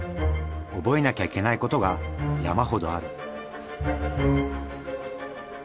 覚えなきゃいけないことが山ほどある。